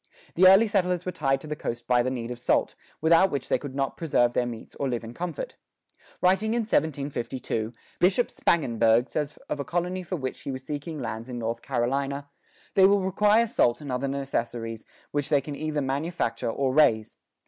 The early settlers were tied to the coast by the need of salt, without which they could not preserve their meats or live in comfort. Writing in 1752, Bishop Spangenburg says of a colony for which he was seeking lands in North Carolina, "They will require salt & other necessaries which they can neither manufacture nor raise.